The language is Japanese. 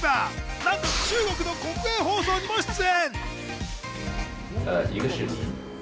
なんと中国の国営放送にも出演。